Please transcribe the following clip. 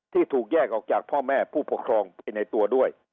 ที่ถูกแยกออกจากพ่อแม่ผู้ปกครองไปในตัวด้วย